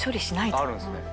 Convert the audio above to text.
あるんすね。